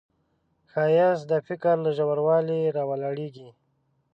ښایست د فکر له ژوروالي راولاړیږي